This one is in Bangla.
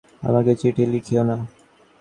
যত শীঘ্র পার এবং যতবার ইচ্ছা আমাকে চিঠি লিখিও।